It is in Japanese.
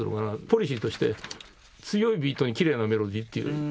ポリシーとして強いビートにキレイなメロディーっていう。